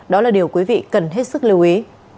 đó là điều quý vị cần hết sức lưu ý